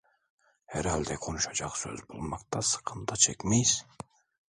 Herhalde konuşacak söz bulmakta sıkıntı çekmeyiz…